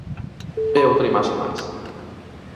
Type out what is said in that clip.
E outra imaxe máis.